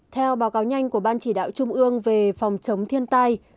theo báo cáo nhanh của ban chỉ đạo trung ương về phòng chống thiên tai